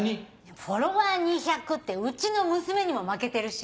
フォロワー２００ってうちの娘にも負けてるし。